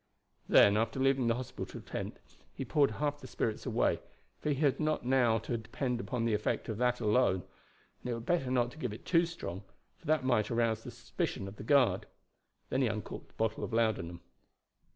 Then after leaving the hospital tent he poured half the spirits away, for he had not now to depend upon the effect of that alone; and it were better not to give it too strong, for that might arouse the suspicion of the guard. Then he uncorked the bottle of laudanum.